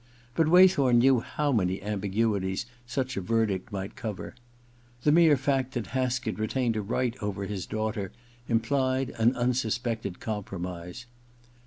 But Waythorn knew how many ambiguities such a verdict might cover. The mere fact that Haskett retained a right over his daughter implied an unsuspected compromise.